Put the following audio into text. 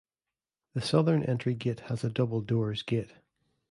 The southern entry gate has a double doors gate.